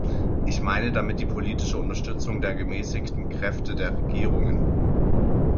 Ich meine damit die politische Unterstützung der gemäßigten Kräfte der Regierungen.